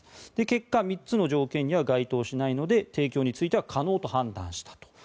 結果、３つの条件には該当しないので提供については可能と判断したと。